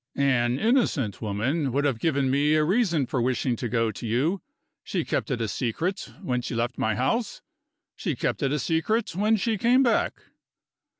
An innocent woman would have given me a reason for wishing to go to you she kept it a secret, when she left my house; she kept it a secret when she came back."